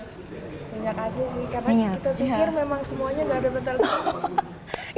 nyenyak aja sih karena kita pikir memang semuanya nggak ada bentar bentar